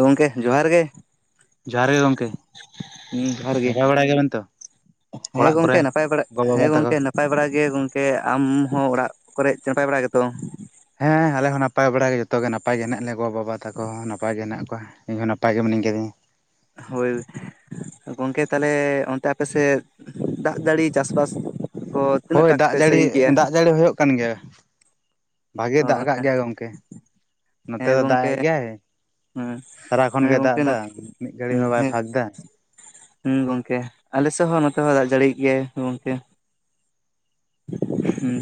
[inaudible] ᱜᱚᱝᱠᱮ ᱡᱚᱦᱟᱨ ᱜᱮ ᱡᱚᱦᱟᱨ ᱜᱮ ᱜᱚᱝᱠᱮ ᱦᱩᱸ ᱡᱚᱦᱟᱨ ᱜᱮ ᱱᱟᱯᱟᱭ ᱵᱟᱲᱟᱭ ᱜᱮᱭᱟ ᱵᱤᱱ ᱛᱚ ᱦᱮᱸ ᱚᱲᱟᱜ ᱜᱚᱝᱠᱮ ᱠᱚᱨᱮ ᱱᱟᱯᱟᱭ ᱵᱟᱲᱟᱜ ᱜᱚ ᱵᱟᱵᱟ ᱦᱮᱸ ᱛᱟᱠᱚ? ᱜᱚᱝᱠᱮ ᱱᱟᱯ ᱱᱟᱯᱟᱭ ᱵᱟᱲᱟ ᱜᱮ ᱜᱚᱝᱠᱮ ᱟᱢᱦᱚ ᱚᱲᱟᱜ ᱠᱚᱨᱮ ᱱᱟᱯᱟᱭ ᱵᱟᱲᱟ ᱜᱮᱛᱚ ᱦᱮᱸ ᱟᱞᱮ ᱦᱚᱸ ᱱᱟᱯᱟᱭ ᱵᱟᱲᱟ ᱜᱮ ᱡᱷᱚᱛᱚᱜᱮ ᱱᱟᱯᱟᱭ ᱜᱮ ᱦᱮᱱᱟᱜ ᱞᱮᱭᱟ ᱜᱚ ᱵᱟᱵᱟ ᱛᱟᱠᱚ ᱦᱚᱸ ᱱᱟᱯᱟᱭ ᱜᱮ ᱦᱮᱱᱟᱜ ᱠᱚᱣᱟ ᱤᱧ ᱦᱚᱸ ᱱᱟᱯᱟᱭ ᱜᱮ ᱢᱤᱱᱤᱧ ᱜᱮᱫᱮ ᱦᱳᱭ ᱜᱚᱝᱠᱮ ᱛᱟᱦᱚᱞᱮ ᱚᱱᱛᱮ ᱟᱯᱮ ᱥᱮᱫ ᱫᱟᱜ ᱡᱟᱹᱲᱤ ᱪᱟᱥᱵᱟᱥ ᱠᱚ ᱛᱤᱱᱟᱹᱜ ᱦᱳᱭ ᱴᱟᱜ ᱫᱟᱜ ᱯᱮ ᱡᱟᱹᱲᱤ ᱥᱟᱺᱜᱤᱧ ᱠᱮᱜᱼᱟ ᱫᱟᱜ ᱡᱟᱹᱲᱤ ᱦᱩᱭᱩᱜ ᱠᱟᱱ ᱜᱮᱭᱟ ᱵᱷᱟᱜᱮ ᱚ ᱫᱟᱜ ᱠᱟᱜ ᱜᱮᱭᱟ ᱜᱚᱝᱠᱮ ᱱᱚᱛᱮ ᱦᱮᱸ ᱫᱚ ᱫᱟᱜ ᱜᱚᱝᱠᱮ ᱮᱜ ᱜᱮᱭᱟᱭ ᱦᱮᱸ ᱥᱟᱨᱟ ᱠᱷᱚᱱ ᱦᱮᱸ ᱜᱮ ᱜᱚᱝᱠᱮ ᱫᱟᱜ ᱫᱟ ᱢᱤᱫ ᱜᱷᱟᱹᱲᱤ ᱦᱮᱸ ᱦᱚᱸ ᱵᱟᱭ ᱯᱷᱟᱸᱠ ᱫᱟ ᱦᱮᱸ ᱜᱚᱝᱠᱮ ᱟᱞᱮ ᱥᱮᱫ ᱦᱚᱸ ᱱᱚᱛᱮ ᱦᱚᱸ ᱫᱟᱜ ᱡᱟᱹᱲᱤᱭᱮᱜ ᱜᱮᱭᱟᱭ ᱜᱚᱝᱠᱮ ᱦᱩᱸ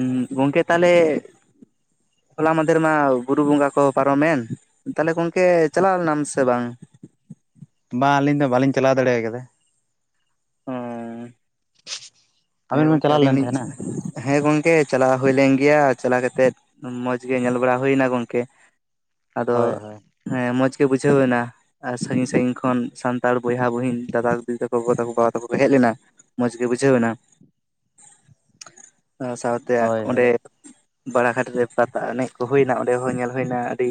ᱩᱸ ᱜᱚᱢᱠᱮ ᱛᱟᱦᱚᱞᱮ ᱦᱚᱞᱟ ᱢᱟᱫᱷᱮᱨ ᱢᱟ ᱵᱩᱨᱩ ᱵᱚᱸᱜᱟ ᱠᱚ ᱯᱟᱨᱚᱢᱮᱱ ᱛᱟᱦᱚᱞᱮ ᱜᱚᱝᱠᱮ ᱪᱟᱞᱟᱣ ᱞᱮᱱᱟᱢ ᱥᱮ ᱵᱟᱝ ᱵᱟᱝ ᱟᱹᱞᱤᱧ ᱫᱚ ᱵᱟᱹᱞᱤᱧ ᱪᱟᱞᱟᱣ ᱫᱟᱲᱮ ᱠᱟᱫᱟ ᱚ ᱟᱵᱮᱱ ᱦᱮᱸ ᱵᱮᱱ ᱜᱚᱝᱠᱮ ᱪᱟᱞᱟᱣ ᱟᱹᱞᱤᱧ ᱞᱮᱱ ᱦᱚᱸ ᱞᱤᱧ ᱛᱟᱦᱮᱸᱱᱟ? ᱦᱮᱸ ᱜᱚᱝᱠᱮ ᱪᱟᱞᱟᱣ ᱦᱳᱭ ᱞᱮᱱ ᱜᱮᱭᱟ ᱪᱟᱞᱟ ᱠᱟᱛᱮᱜ ᱢᱚᱸᱡᱽ ᱜᱮ ᱧᱮᱞ ᱵᱟᱲᱟ ᱦᱳᱭᱱᱟ ᱜᱚᱝᱠᱮ ᱟᱫᱚ ᱦᱳᱭ ᱦᱳᱭ ᱦᱮᱸ ᱢᱚᱸᱡᱽᱜᱮ ᱵᱩᱡᱷᱟᱹᱣ ᱮᱱᱟ ᱟᱨ ᱥᱟᱺᱜᱤᱧ ᱥᱟᱺᱜᱤᱧ ᱠᱷᱚᱱ ᱥᱟᱱᱛᱟᱲ ᱵᱚᱭᱦᱟ ᱵᱩᱦᱤᱱ ᱫᱟᱫᱟ ᱫᱤᱫᱤ ᱛᱟᱠᱚ ᱜᱚ ᱛᱟᱠᱚ ᱵᱟᱵᱟ ᱛᱟᱠᱚ ᱠᱚ ᱦᱮᱡ ᱞᱮᱱᱟ ᱢᱚᱸᱡᱽ ᱜᱮ ᱵᱩᱡᱷᱟᱹᱣ ᱮᱱᱟ ᱚᱱᱟ ᱥᱟᱶᱛᱮ ᱦᱳᱭ ᱚᱸᱰᱮ ᱦᱳᱭ ᱵᱟᱲᱟ ᱜᱷᱟᱴ ᱨᱮ ᱯᱟᱛᱟ ᱮᱱᱮᱡ ᱠᱚ ᱦᱚᱭᱱᱟ ᱚᱸᱰᱮ ᱦᱚᱸ ᱧᱮᱞ ᱦᱚᱭᱱᱟ ᱟᱹᱰᱤ